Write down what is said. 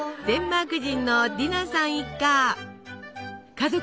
デンマーク人のディナさん一家。